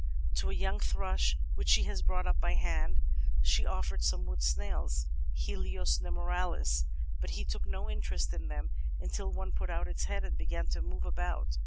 To a young thrush which she has brought up by hand she oflFered some wood snails {Helios nemoralis), but he took no interest in them until one put out its head and began to move about.